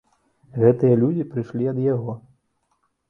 Гэтыя людзі прыйшлі ад яго.